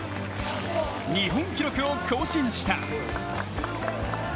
日本記録を更新した。